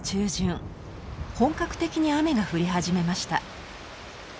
本格的に雨が降り始めました。